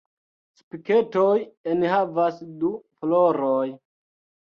Spiketoj enhavas du floroj.